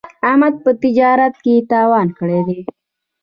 احمد په تجارت کې تاوان کړی دی.